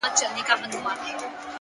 زما د خيال د فلسفې شاعره ،